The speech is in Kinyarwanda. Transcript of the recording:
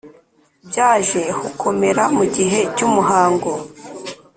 byaje hukomera mu gihe cy'umuhango